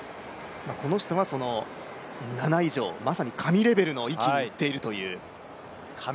この人が７以上まさに神レベルの域にいっているという。